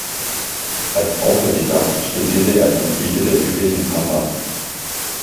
Als Autodidakt studierte er die Gebiete der südlichen Pampa.